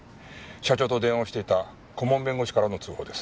社長と電話していた顧問弁護士からの通報です。